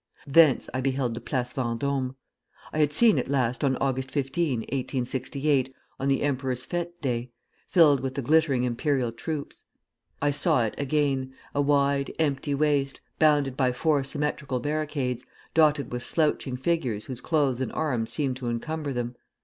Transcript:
Thence I beheld the Place Vendôme. I had seen it last on Aug. 15, 1868, on the emperor's fête day, filled with the glittering Imperial troops. I saw it again, a wide, empty waste, bounded by four symmetrical barricades, dotted with slouching figures whose clothes and arms seemed to encumber them....